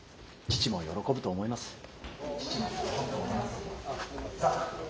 「父も喜ぶと思います。さあ」。